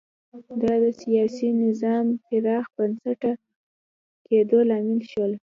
دا د سیاسي نظام پراخ بنسټه کېدو لامل شول